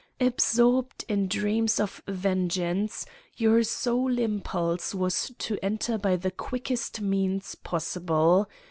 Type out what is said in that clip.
Absorbed in dreams of vengeance, your sole impulse was to enter by the quickest means possible.